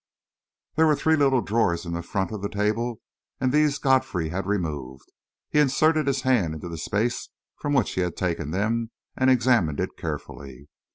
There were three little drawers in the front of the table, and these Godfrey had removed. He inserted his hand into the space from which he had taken them, and examined it carefully.